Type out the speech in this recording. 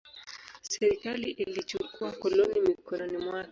Serikali ilichukua koloni mikononi mwake.